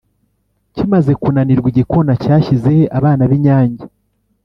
kimaze kunanirwa, igikona cyashyize he abana b’inyange?